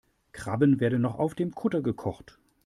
Krabben werden noch auf dem Kutter gekocht.